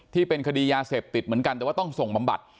ที่เป็นคดียาเสพติดเหมือนกันแต่ว่าต้องส่งบำบัด